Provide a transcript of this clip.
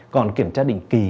còn kiểm tra định kỳ